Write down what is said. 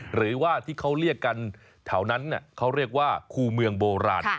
หรือว่าที่เขาเรียกกันแถวนั้นเขาเรียกว่าคู่เมืองโบราณ